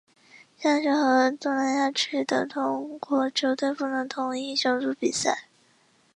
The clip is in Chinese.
西亚区和东南亚区的同国球队不能同一小组比赛。